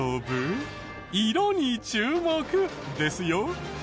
色に注目ですよ。